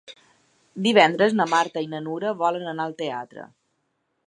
Divendres na Marta i na Nura volen anar al teatre.